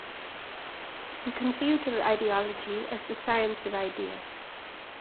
He conceived of ideology as the science of ideas.